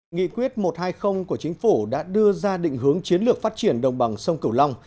nghị quyết một trăm hai mươi của chính phủ đã đưa ra định hướng chiến lược phát triển đồng bằng sông cửu long